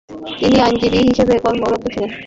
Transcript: তিনি আইনজীবী হিসেবে কর্মরত ছিলেন।